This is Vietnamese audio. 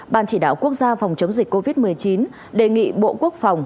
ban chỉ đạo quốc gia phòng chống dịch covid một mươi chín đề nghị bộ quốc phòng